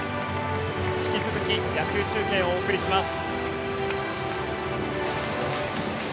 引き続き野球中継をお送りします。